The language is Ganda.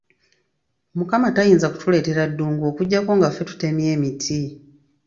Mukama tayinza kutuleetera ddungu okuggyako nga ffe tutemye emiti.